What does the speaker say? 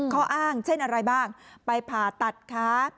ข้ออ้างเช่นอะไรบ้างไปผ่าตัดขา